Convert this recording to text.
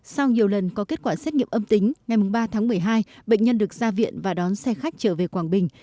sau nhiều lần có kết quả xét nghiệm âm tính ngày ba tháng một mươi hai bệnh nhân được ra viện và đón xe khách trở về quảng bình